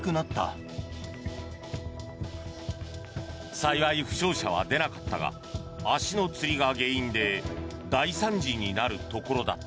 幸い、負傷者は出なかったが足のつりが原因で大惨事になるところだった。